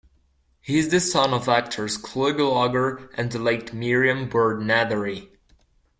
He is the son of actors Clu Gulager and the late Miriam Byrd Nethery.